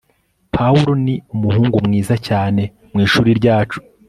pawulo ni umuhungu mwiza cyane mwishuri ryacu